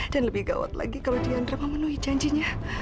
dan lebih gawat lagi kalau diandra memenuhi janjinya